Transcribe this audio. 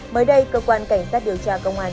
mới đây cơ quan cảnh sát điều tra công an